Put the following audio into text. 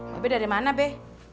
babe dari mana be